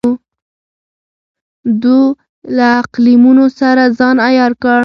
دوی له اقلیمونو سره ځان عیار کړ.